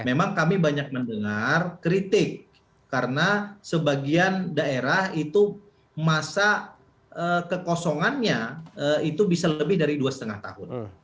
memang kami banyak mendengar kritik karena sebagian daerah itu masa kekosongannya itu bisa lebih dari dua lima tahun